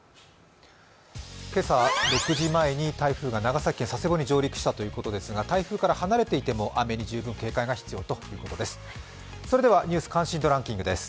今朝、６時前に台風が長崎県佐世保に上陸したということですが台風から離れていても雨に十分警戒が必要ということです。